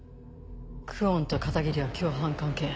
久遠と片桐は共犯関係。